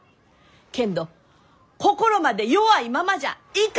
けんど心まで弱いままじゃいかん！